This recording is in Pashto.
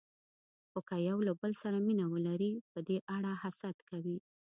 خو که یو له بل سره مینه ولري، په دې اړه حسد کوي.